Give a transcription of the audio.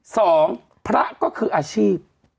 สองพระก็คืออาชีพ